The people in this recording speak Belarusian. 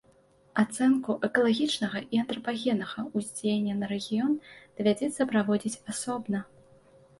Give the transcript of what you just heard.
Ацэнку экалагічнага і антрапагеннага ўздзеяння на рэгіён давядзецца праводзіць асобна.